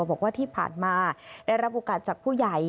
บอกว่าที่ผ่านมาได้รับโอกาสจากผู้ใหญ่